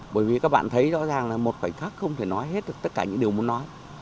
bởi vì các bạn thấy rõ ràng là một khoảnh khắc không thể nói hết được tất cả những điều muốn nói